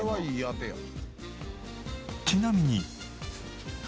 ちなみに。